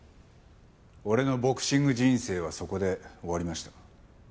俺のボクシング人生はそこで終わりました。